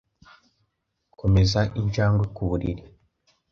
Komeza injangwe ku buriri.